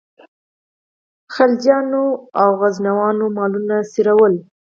خلجیانو او غوزانو مالونه څرول.